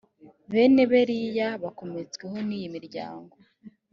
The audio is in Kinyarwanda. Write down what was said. bene beriya bakomotsweho n iyi miryango